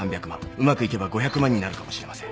うまくいけば５００万になるかもしれません。